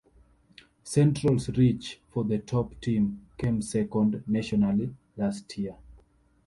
Central's Reach for the Top team came second nationally last year.